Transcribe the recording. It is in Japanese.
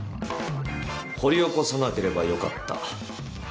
掘り起こさなければよかった。